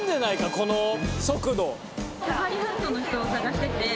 この速度。